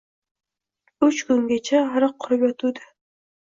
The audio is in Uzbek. Uch kungacha ariq qurib yotuvdi.